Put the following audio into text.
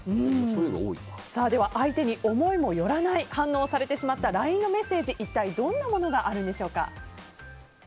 相手に思いもよらない反応をされてしまったＬＩＮＥのメッセージ一体どんなものがあるんでしょう。